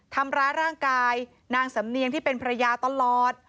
ทำร้ายร่างกายนางสำเนียงที่เป็นภรรยาตลอด